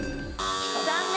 残念。